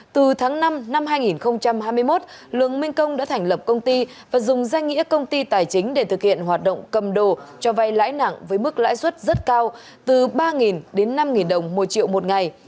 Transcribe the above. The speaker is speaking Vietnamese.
từ tháng năm năm hai nghìn hai mươi một lường minh công đã thành lập công ty và dùng danh nghĩa công ty tài chính để thực hiện hoạt động cầm đồ cho vay lãi nặng với mức lãi suất rất cao từ ba đến năm đồng một triệu một ngày